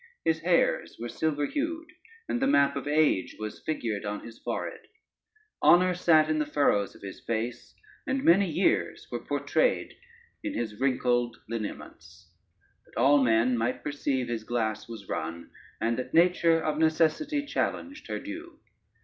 His hairs were silver hued, and the map of age was figured on his forehead: honor sat in the furrows of his face, and many years were portrayed in his wrinkled lineaments, that all men might perceive his glass was run, and that nature of necessity challenged her due.